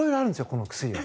この薬は。